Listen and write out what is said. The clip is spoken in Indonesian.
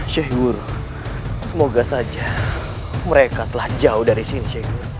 syekh guru semoga saja mereka telah jauh dari sini